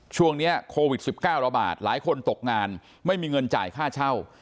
ช่วงนี้โควิด๑๙ระบาดหลายคนตกงานไม่มีเงินจ่ายค่าเช่า